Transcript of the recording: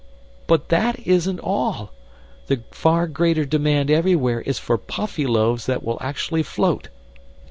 "But that isn't all! The far greater demand everywhere is for Puffyloaves that will actually float.